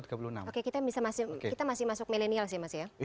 oke kita masih masuk milenial sih mas ya